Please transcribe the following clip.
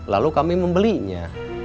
lalu kami membelinya